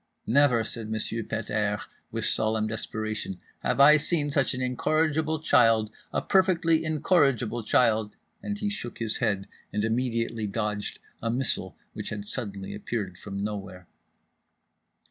"Never," said Monsieur Pet airs with solemn desperation, "have I seen such an incorrigible child, a perfectly incorrigible child," and he shook his head and immediately dodged a missile which had suddenly appeared from nowhere.